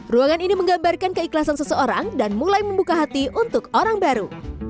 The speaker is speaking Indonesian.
ruangan ini menggambarkan keikhlasan seseorang dan mulai membuka hati untuk orang baru